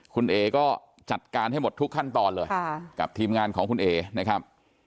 คุณเอ๋ก็จัดการให้หมดทุกขั้นตอนเลยกับทีมงานของคุณเอนะครับ